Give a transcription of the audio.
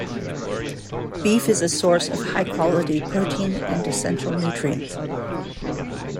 Beef is a source of high-quality protein and essential nutrients.